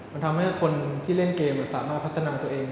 มันทำให้คนที่เล่นเกมสามารถพัฒนาตัวเอง